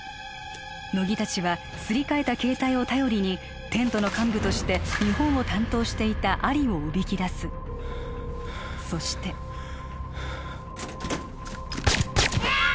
乃木達はすり替えた携帯を頼りにテントの幹部として日本を担当していたアリをおびき出すそしてうわー！